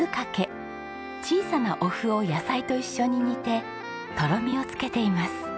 小さなお麩を野菜と一緒に煮てとろみをつけています。